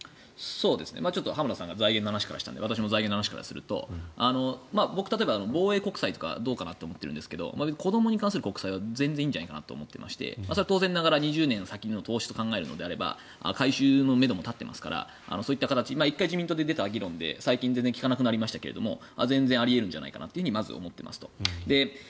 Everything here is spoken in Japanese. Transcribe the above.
ちょっと浜田さんが財源の話からしたので私も財源の話をすると僕、例えば防衛国債とかどうかなと思っているんですが子どもに関する国債は全然いいんじゃないかなと思っていましてそれは当然ながら２０年先の投資と考えるのであれば回収のめども立っていますからそういった形１回自民党で出た議論で最近全然聞かなくなりましたが全然あり得るんじゃないかとまず思っていますと。